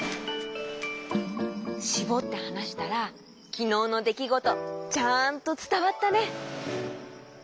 しぼってはなしたらきのうのできごとちゃんとつたわったね！